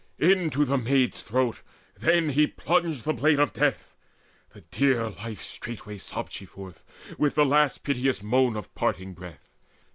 Into the maid's throat then he plunged the blade Of death: the dear life straightway sobbed she forth, With the last piteous moan of parting breath.